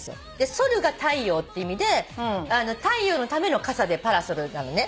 ソルが太陽って意味で太陽のための傘でｐａｒａｓｏｌなのね。